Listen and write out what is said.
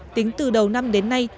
tính từ đầu năm đến nay